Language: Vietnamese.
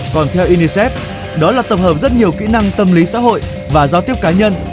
còn theo unicef đó là tổng hợp rất nhiều kỹ năng tâm lý xã hội và giao tiếp cá nhân